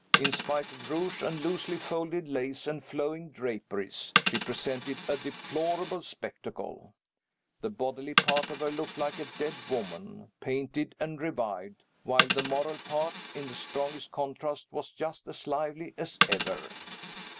In spite of rouge and loosely folded lace and flowing draperies, she presented a deplorable spectacle. The bodily part of her looked like a dead woman, painted and revived while the moral part, in the strongest contrast, was just as lively as ever.